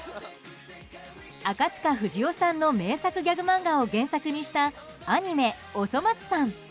赤塚不二夫さんの名作ギャグマンガを原作にしたアニメ「おそ松さん」。